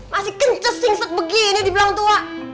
masih kencet singsek begini dibilang tua